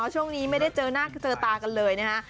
ช่วงนี้ไม่ได้เจอหน้าเจอตากันเลยนะฮะ